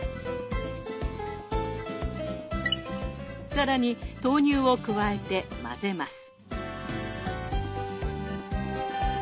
更に豆乳を加えて混ぜます。